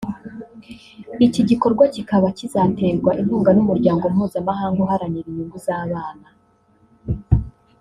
Iki gikorwa kibaba kizaterwa inkunga n’Umuryango mpuzamahanga uharanira inyungu z’abana